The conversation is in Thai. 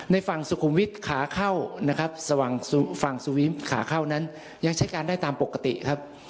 ฝั่งสุขุมวิทย์ขาเข้านะครับฝั่งสุวิมขาเข้านั้นยังใช้การได้ตามปกติครับ